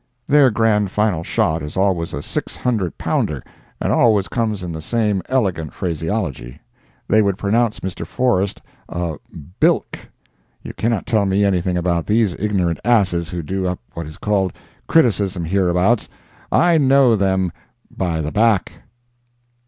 Their grand final shot is always a six hundred pounder, and always comes in the same elegant phraseology: they would pronounce Mr. Forrest a "bilk!" You cannot tell me anything about these ignorant asses who do up what is called "criticism" hereabouts—I know them "by the back."